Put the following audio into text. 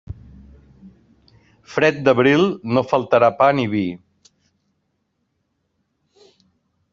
Fred d'abril, no faltarà pa ni vi.